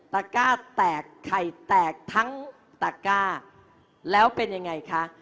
ก้าแตกไข่แตกทั้งตะก้าแล้วเป็นยังไงคะ